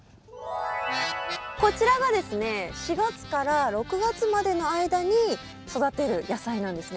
こちらがですね４月から６月までの間に育てる野菜なんですね。